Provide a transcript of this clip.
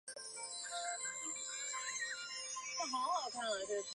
彗发的成分通常是冰与尘埃。